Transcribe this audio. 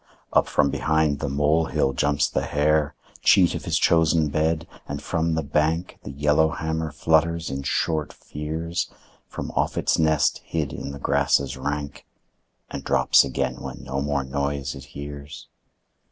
Up from behind the molehill jumps the hare, Cheat of his chosen bed, and from the bank The yellowhammer flutters in short fears From off its nest hid in the grasses rank, And drops again when no more noise it hears.